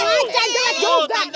lu tuh yang jelek